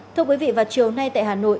thưa quý vị vào chiều nay tại hà nội